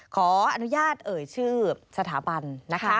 ขออนุญาตเอ่ยชื่อสถาบันนะคะ